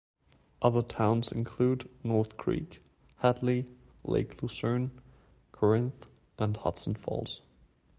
Other towns include North Creek, Hadley, Lake Luzerne, Corinth, and Hudson Falls.